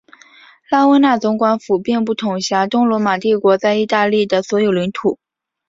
拉温纳总管府并不统辖东罗马帝国在意大利的所有领土。